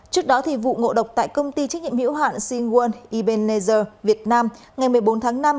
trước đó vụ ngộ độc tại công ty trách nhiệm hữu hạn shingwon ebenezer việt nam ngày một mươi bốn tháng năm